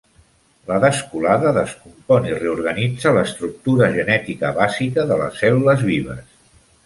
La Descolada descompon i reorganitza l'estructura genètica bàsica de les cèl·lules vives.